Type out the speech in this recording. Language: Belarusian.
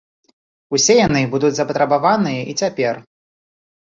Усе яны будуць запатрабаваныя і цяпер.